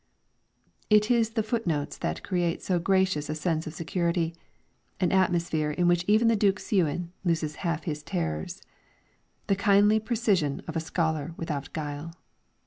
It is the footnotes that create so gracious a sense of security, an atmosphere in which even the Duke Seuen loses half his terrors : the kindly precision of a scholar without guile.